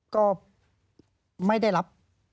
ก็ไม่ได้รับ